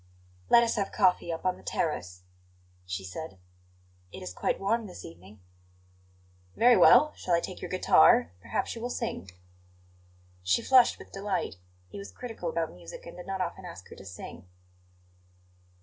"Let us have coffee up on the terrace," she said; "it is quite warm this evening." "Very well. Shall I take your guitar? Perhaps you will sing." She flushed with delight; he was critical about music and did not often ask her to sing.